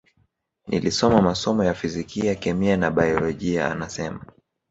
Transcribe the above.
Nilisoma masomo ya fizikia kemia na baiolojia anasema